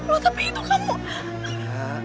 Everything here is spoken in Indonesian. loh tapi itu kamu